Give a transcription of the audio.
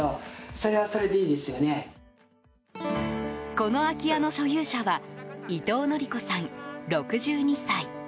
この空き家の所有者は伊藤訓子さん、６２歳。